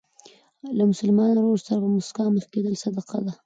له مسلمان ورور سره په مسکا مخ کېدل صدقه ده.